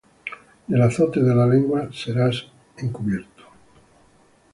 Del azote de la lengua serás encubierto;